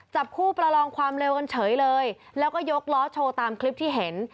จับคู่ประลองความเร็วกันเฉยเลยแล้วก็ยกล้อโชว์ตามคลิปที่เห็น